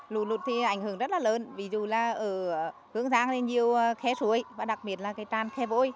lụt lụt thì ảnh hưởng rất là lớn ví dụ là ở hương giang thì nhiều khe rùi và đặc biệt là cái tràn khe vội